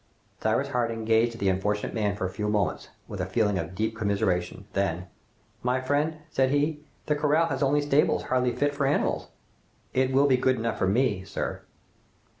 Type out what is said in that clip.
Cyrus Harding gazed at the unfortunate man for a few moments with a feeling of deep commiseration; then, "My friend," said he, "the corral has only stables hardly fit for animals." "It will be good enough for me, sir."